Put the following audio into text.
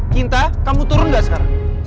kinta kamu turun gak sekarang